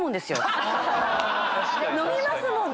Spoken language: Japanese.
飲みますもんね。